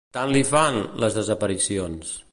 Tant li fan, les desaparicions.